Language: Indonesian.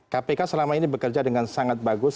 kpk selama ini bekerja dengan sangat bagus